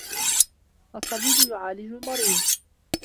الطَّبِيبُ يُعَالَجُ الْمَرِيضَ.